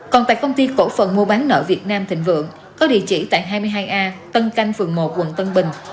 còn tại công ty cổ phần mua bán nợ việt nam thịnh vượng có địa chỉ tại hai mươi hai a tân canh phường một quận tân bình